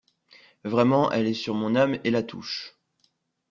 Vraiement, elle est sur mon ame et la touche!...